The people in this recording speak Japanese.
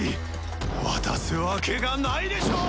渡すわけがないでしょう！